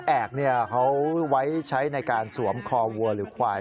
แอกเขาไว้ใช้ในการสวมคอวัวหรือควาย